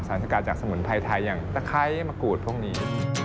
สกัดจากสมุนไพรไทยอย่างตะไคร้มะกรูดพวกนี้